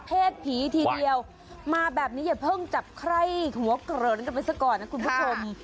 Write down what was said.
ผีทีเดียวมาแบบนี้อย่าเพิ่งจับใคร่หัวเกริ่นกันไปซะก่อนนะคุณผู้ชม